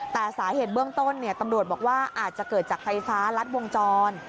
แต่สาเหตุเบื้องต้นตำรวจบอกว่าอาจจะเกิดจากไฟฟ้ารัดวงจร